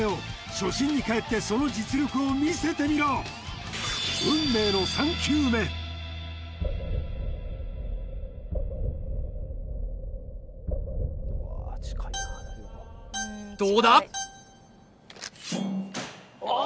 初心に返ってその実力を見せてみろどうだ？